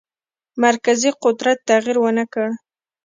مرکزي قدرت تغییر ونه کړ.